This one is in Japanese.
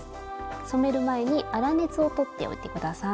染める前に粗熱を取っておいて下さい。